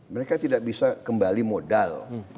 mereka tidak bisa kembali modal